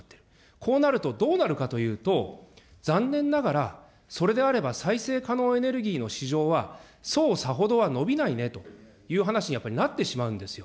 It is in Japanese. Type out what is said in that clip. こうなるとどうなるかというと、残念ながら、それであれば再生可能エネルギーの市場はそうさほどは伸びないねという話に、やっぱなってしまうんですよ。